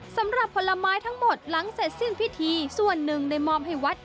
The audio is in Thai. สำหรับผลไม้ทั้งหมดหลังเสร็จสิ้นพิธีส่วนหนึ่งได้มอบให้วัด